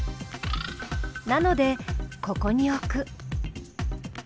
なのでここに置く。